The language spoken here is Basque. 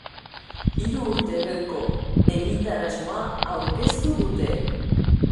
Hiru urteko egitasmoa aurkeztu dute.